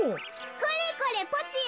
「これこれポチよ